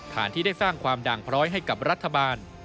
ที่ได้สร้างความด่างพร้อยให้กับรัฐบาล